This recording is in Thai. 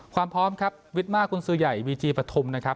ความพร้อมครับวิทมากกุญสือใหญ่วีจีปฐุมนะครับ